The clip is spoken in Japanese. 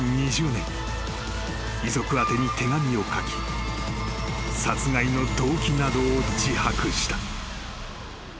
［遺族宛てに手紙を書き殺害の動機などを自白した］